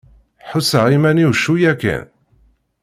Ḥusseɣ iman-iw cwiya kan.